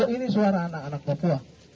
ini suara anak anak papua